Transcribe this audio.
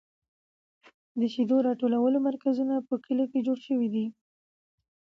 د شیدو راټولولو مرکزونه په کلیو کې جوړ شوي دي.